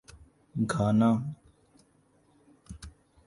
Ghana